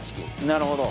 なるほど。